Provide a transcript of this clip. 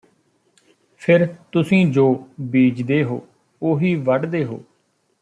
ਫੇਰ ਤੁਸੀਂ ਜੋ ਬੀਜਦੇ ਹੋ ਉਹੀ ਵੱਢਦੇ ਹੋ